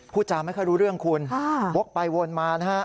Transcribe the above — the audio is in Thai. พูดจาไม่ค่อยรู้เรื่องคุณวกไปวนมานะฮะ